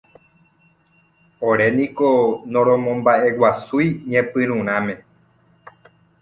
Oréniko noromomba'eguasúi ñepyrũrãme.